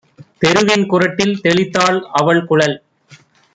தெருவின் குறட்டில் தெளித்தாள்! அவள்குழல்